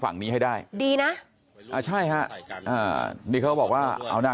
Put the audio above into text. ฝั่งนี้ให้ได้ดีนะอ่าใช่ฮะอ่านี่เขาบอกว่าเอานะ